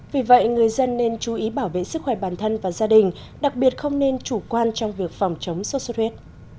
vì vậy người dân nên chú ý bảo vệ sức khỏe bản thân và gia đình đặc biệt không nên chủ quan trong việc phòng chống sốt xuất huyết